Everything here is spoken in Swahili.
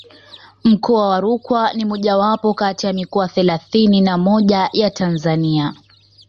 Mkoa wa Rukwa ni mojawapo kati ya mikoa thelathini na moja ya Tanzania